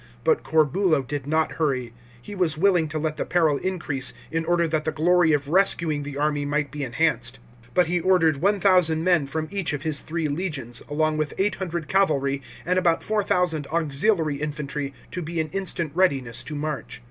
But Corbulo did not hurry ; he was willing to let the peril increase, in order that the glory of rescuing the army might be enhanced. But he ordered 1000 men from each of his three legions,* along with 800 cavalry and about 4000 auxiliary infantry, to be in instant readiness to march.